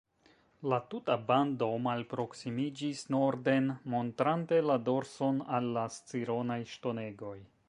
La tuta bando malproksimiĝis norden, montrante la dorson al la Scironaj ŝtonegoj.